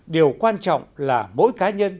điều quan trọng là mỗi cá nhân